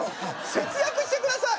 節約してください